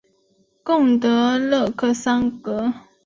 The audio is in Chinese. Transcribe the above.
贡德勒克桑格。